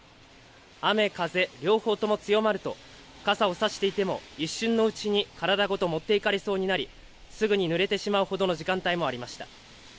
雨風、両方とも強まると傘を差していても一瞬のうちに体ごと持っていかれそうになりすぐにぬれてしまうほどの時間帯もありました。